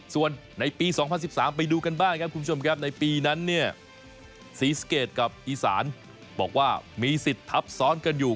ส่วนในปี๒๐๑๓ไปดูกันบ้างครับคุณผู้ชมครับในปีนั้นเนี่ยศรีสะเกดกับอีสานบอกว่ามีสิทธิ์ทับซ้อนกันอยู่